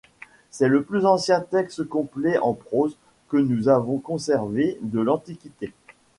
C'est le plus ancien texte complet en prose que nous ayons conservé de l'Antiquité.